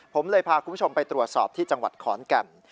ผมเลยพาคุณผู้ชมไปตรวจสอบที่จังหวัดขอนแก่น